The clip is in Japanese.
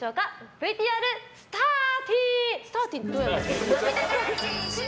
ＶＴＲ、スターティン！